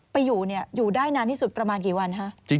ไปอยู่อยู่ได้นานที่สุดประมาณกี่วันฮะ